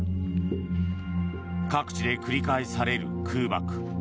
各地で繰り返される空爆。